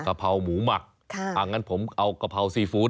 เพราหมูหมักค่ะอ่างั้นผมเอากะเพราซีฟู้ด